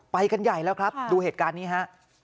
ไปกันใหญ่แล้วครับดูเหตุการณ์นี้ฮะ